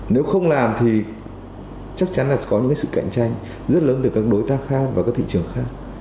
nếu không làm thì chắc chắn là sẽ có những sự cạnh tranh rất lớn từ các đối tác khác và các thị trường khác